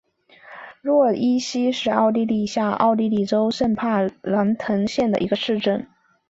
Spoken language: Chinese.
洛伊希是奥地利下奥地利州圣帕尔滕兰县的一个市镇。